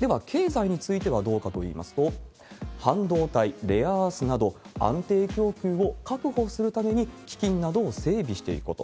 では、経済についてはどうかといいますと、半導体、レアアースなど、安定供給を確保するために、基金などを整備していくこと。